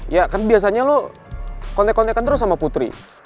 ya kan biasanya lo kontek kontekan terus sama putri